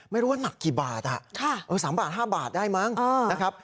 ไม่รู้ว่ามักกี่บาทอ่ะค่ะเอาสามบาทห้าบาทได้มั้งอ่านะครับ